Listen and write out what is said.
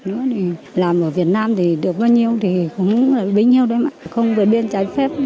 cái dịch án cũng bị phạt nữa làm ở việt nam thì được bao nhiêu thì cũng là bấy nhiêu đấy mà